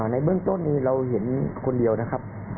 ในเบื้องต้นนี้เราเห็นคนเดียวนะครับ